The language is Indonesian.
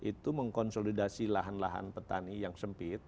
itu mengkonsolidasi lahan lahan petani yang sempit